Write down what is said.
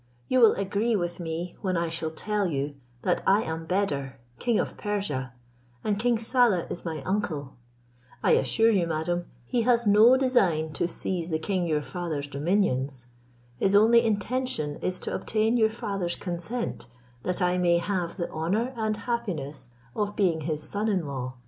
You will agree with me, when I shall tell you that I am Beder, king of Persia, and King Saleh is my uncle: I assure you, madam, he has no design to seize the king your father's dominions; his only intention is to obtain your father's consent, that I may have the honour and happiness of being his son in law.